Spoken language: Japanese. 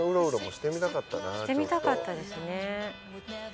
してみたかったですね。